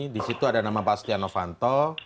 di situ ada nama pak stiano fanto